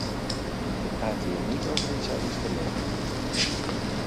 We praten hier niet over iets uit het verleden.